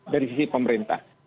dari sisi pemerintah